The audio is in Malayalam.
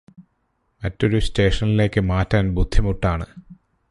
മറ്റൊരു സ്റ്റേഷനിലേയ്ക് മാറ്റാന് ബുദ്ധിമുട്ടാണ്